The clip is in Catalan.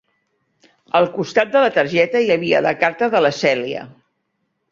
Al costat de la targeta hi havia la carta de la Celia.